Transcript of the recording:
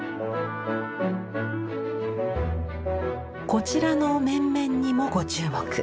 こちらの面々にもご注目。